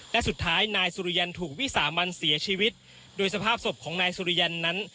และสุดท้ายนายสุริยันถูกวิสามันเสียชีวิตโดยสภาพศพของนายสุริยันนั้น